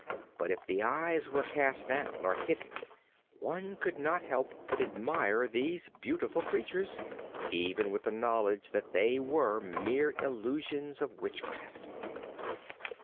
But if the eyes were cast down or hidden, one could not help but admire these beautiful creatures, even with the knowledge that they were mere illusions of witchcraft.